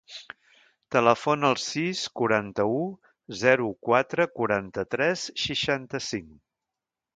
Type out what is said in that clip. Telefona al sis, quaranta-u, zero, quatre, quaranta-tres, seixanta-cinc.